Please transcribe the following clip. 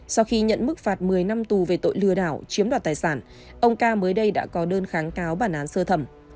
sau khi nhận mức phạt một mươi năm tù về tội lừa đảo chiếm đoạt tài sản ông ca mới đây đã có đơn kháng cáo bản án sơ thẩm